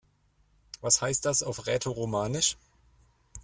Was heißt das auf Rätoromanisch?